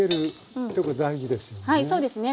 はいそうですね。